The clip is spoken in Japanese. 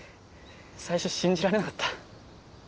最初信じられなかった。